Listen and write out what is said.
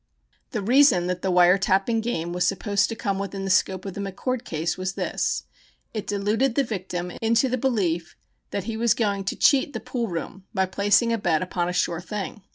The reason that the "wire tapping" game was supposed to come within the scope of the McCord case was this: it deluded the victim into the belief that he was going to cheat the pool room by placing a bet upon a "sure thing."